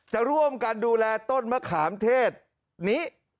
จะร่วมกันดูแลต้นมะขามเทศนี้